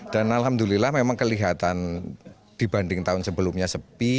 dan alhamdulillah memang kelihatan dibanding tahun sebelumnya sepi